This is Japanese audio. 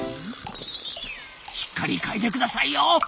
しっかり嗅いでくださいよ！